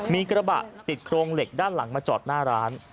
มีกระบะติดโครงเหล็กด้านหลังมาจอดหน้าร้าน